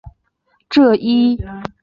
这一类还包括州政府和当地政府。